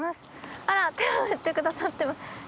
あら手を振ってくださってます。